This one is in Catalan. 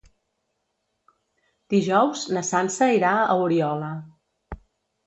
Dijous na Sança irà a Oriola.